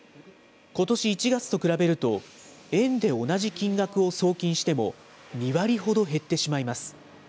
ことし１月と比べると、円で同じ金額を送金しても、２割ほど減ってしまいます。